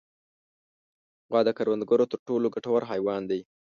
غوا د کروندګرو تر ټولو ګټور حیوان دی.